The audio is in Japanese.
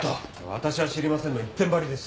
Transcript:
「私は知りません」の一点張りです。